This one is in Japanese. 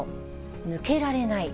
抜けられない。